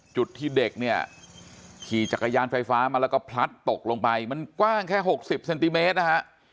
จุดที่เด็กเนี่ยขี่จักรยานไฟฟ้ามาแล้วก็พลัดตกลงไปมันกว้างแค่๖๐เซนติเมตรนะฮะ